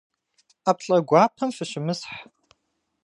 Ӏэплӏэ гуапэм фыщымысхь.